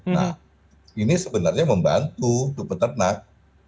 nah ini sebenarnya membantu peternak